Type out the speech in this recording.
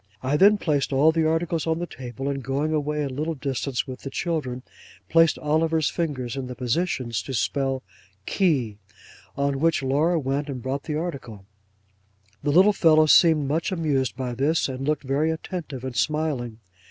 I then placed all the articles on the table, and going away a little distance with the children, placed Oliver's fingers in the positions to spell key, on which Laura went and brought the article: the little fellow seemed much amused by this, and looked very attentive and smiling.